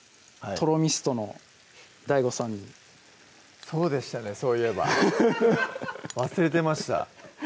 とろみストのＤＡＩＧＯさんにそうでしたねそういえば忘れてました